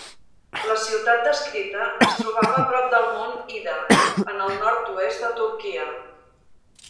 La ciutat descrita es trobava prop del Mont Ida, en el nord-oest de Turquia.